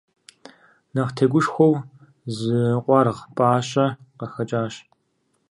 Нэхъ тегушхуэу зы къуаргъ пӀащэ къахэкӀащ.